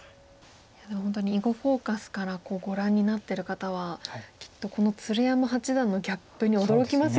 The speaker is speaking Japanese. いやでも本当に「囲碁フォーカス」からご覧になってる方はきっとこの鶴山八段のギャップに驚きますよね。